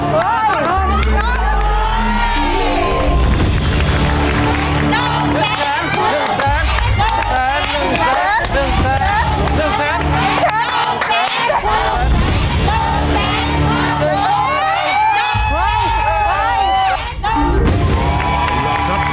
เวลาครับ